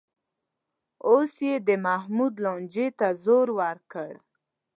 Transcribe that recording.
اوس یې د محمود لانجې ته زور ورکړ